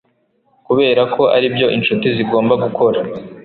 Kuberako aribyo inshuti zigomba gukora